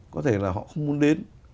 có thể là họ không muốn đến